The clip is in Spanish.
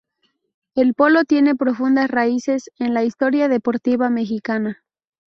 El polo tiene profundas raíces en la historia deportiva mexicana.